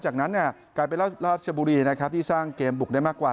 จากนั้นเนี่ยกลายเป็นราชบุรีนะครับที่สร้างเกมบุกได้มากกว่า